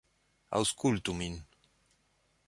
Aŭskultu min.